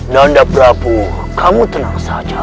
nanda prabu kamu tenang saja